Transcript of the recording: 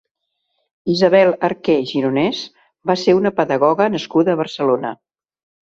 Isabel Arqué Gironès va ser una pedagoga nascuda a Barcelona.